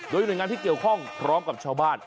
โดยหน่วยงานที่เกี่ยวข้องพร้อมกับชาวบ้าน